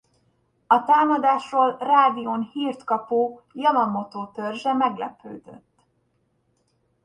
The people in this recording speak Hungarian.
A támadásról rádión hírt kapó Jamamoto törzse meglepődött.